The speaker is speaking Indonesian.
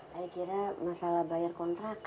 saya kira masalah bayar kontra kan wuy